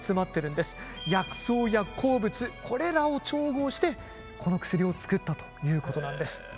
薬草や鉱物これらを調合してこの薬を作ったということなんです。